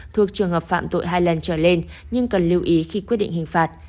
thuộc trường hợp phạm tội hai lần trở lên nhưng cần lưu ý khi quyết định hình phạt